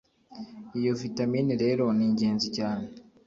Iyo vitamine rero ni ingenzi cyane